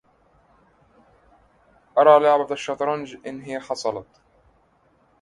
أرى لعبة الشطرنج إن هي حصلت